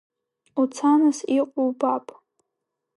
Уца, нас, иҟоу убап.